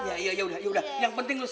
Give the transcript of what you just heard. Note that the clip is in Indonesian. iya iya iya yaudah yang penting lo sehat